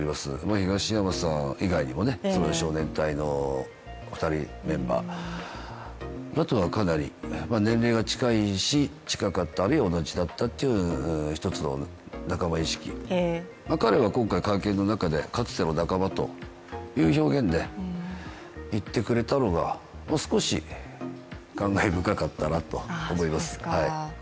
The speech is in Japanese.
東山さん以外にも少年隊の２人、メンバーらとはかなり、年齢が近かった、あるいは同じだったという１つの仲間意識、彼は今回、会見の中でかつての仲間という表現で言ってくれたのが少し感慨深かったなと思います。